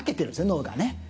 脳がね。